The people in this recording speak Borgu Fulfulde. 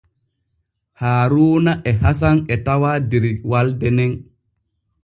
Haaruuna e Hasan e tawaa der walde nen.